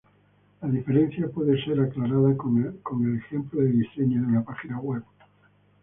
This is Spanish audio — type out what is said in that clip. La diferencia puede ser aclarada con el ejemplo del diseño de una página web.